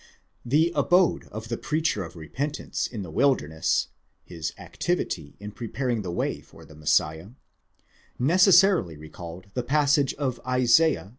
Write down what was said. The abode of the preacher of repentance in the wilderness, his activity in preparing the way for the Messiah, necessarily recalled the passage of Isaiah (xl.